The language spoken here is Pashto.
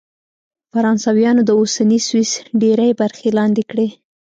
فرانسویانو د اوسني سویس ډېرې برخې لاندې کړې.